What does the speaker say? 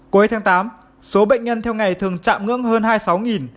cuối tháng tám số bệnh nhân theo ngày thường chạm ngưỡng hơn hai mươi sáu